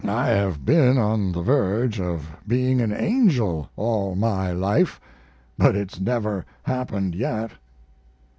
I have been on the verge of being an angel all my life, but it's never happened yet."